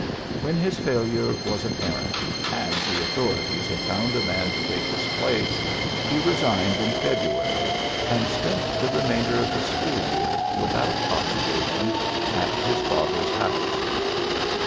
When his failure was apparent, and the authorities had found a man to take his place, he resigned in February and spent the remainder of the school year, without occupation, at his father's house.